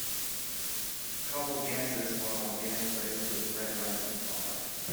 Couple dances while a band plays with red lights and fog.